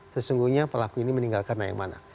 sesungguhnya pelaku ini meninggal karena yang mana